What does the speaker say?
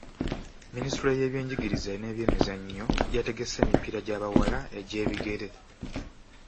Minisitule y'ebyenjigiriza n'ebyemizannyo yategese emipiira gy'abawala egy'ebigere.